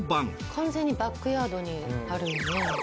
完全にバックヤードにあるよね。